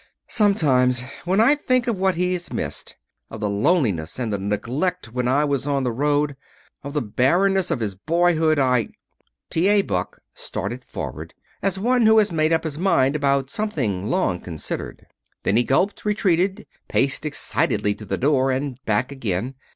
Sometimes when I think of what he's missed, of the loneliness and the neglect when I was on the road, of the barrenness of his boyhood, I " T. A. Buck started forward as one who had made up his mind about something long considered. Then he gulped, retreated, paced excitedly to the door and back again.